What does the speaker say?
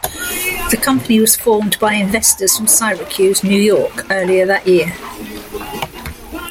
The company was formed by investors from Syracuse, New York, earlier that year.